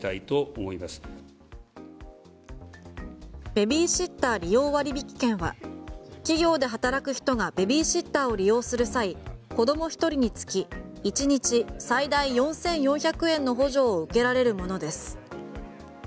ベビーシッター利用割引券は企業で働く人がベビーシッターを利用する際子供１人につき１日最大４４００円の補助を受けられるものです。